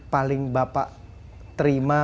paling bapak terima